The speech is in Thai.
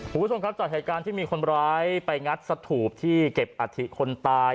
คุณผู้ชมครับจากเหตุการณ์ที่มีคนร้ายไปงัดสถูปที่เก็บอัฐิคนตาย